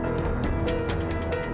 tapi engga ada ada ga